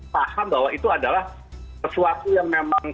paham bahwa itu adalah sesuatu yang memang